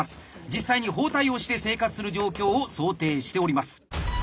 実際に包帯をして生活する状況を想定しております。